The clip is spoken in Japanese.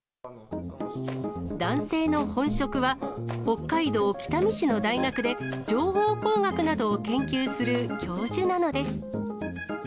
男性の本職は、北海道北見市の大学で情報工学などを研究する教授なのです。